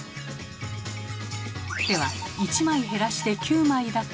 では１枚減らして９枚だと。